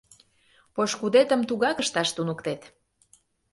Пошкудетым тугак ышташ туныктет.